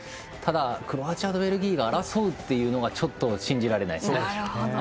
クロアチアとベルギーが争うっていうのがちょっと信じられないですね。